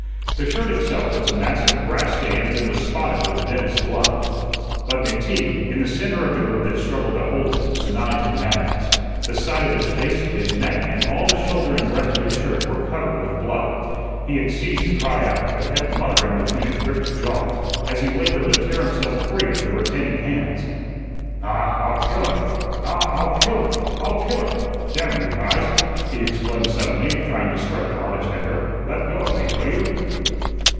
The shirt itself was a mass of grass stains and was spotted with the dentist's blood. But McTeague, in the centre of the group that struggled to hold him, was nigh to madness. The side of his face, his neck, and all the shoulder and breast of his shirt were covered with blood. He had ceased to cry out, but kept muttering between his gripped jaws, as he labored to tear himself free of the retaining hands: "Ah, I'll kill him! Ah, I'll kill him! I'll kill him! Damn you, Heise," he exclaimed suddenly, trying to strike the harness maker, "let go of me, will you!"